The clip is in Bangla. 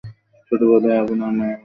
ছোটবেলায় আপনার মা মারা যান?